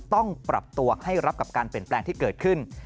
ต้องปรับตัวให้รับกับการเปลี่ยนแปลงที่เกิดขึ้น